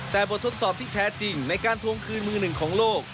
แต่บททดสอบที่แท้จริงในการทวงคืนมือหนึ่งของโลก